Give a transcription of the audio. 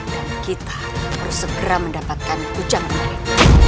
dan kita harus segera mendapatkan hujan kemarin